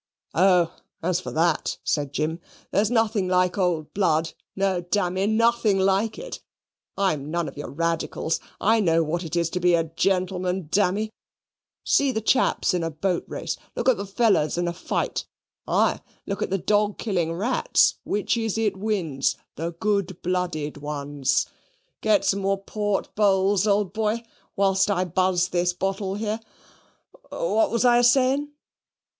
"Oh, as for that," said Jim, "there's nothing like old blood; no, dammy, nothing like it. I'm none of your radicals. I know what it is to be a gentleman, dammy. See the chaps in a boat race; look at the fellers in a fight; aye, look at a dawg killing rats which is it wins? the good blooded ones. Get some more port, Bowls, old boy, whilst I buzz this bottle here. What was I asaying?"